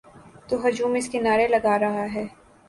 تو ہجوم اس کے نعرے لگا رہا ہے۔